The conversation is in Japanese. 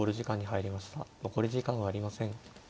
残り時間はありません。